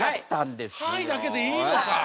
「ハイ！」だけでいいのか。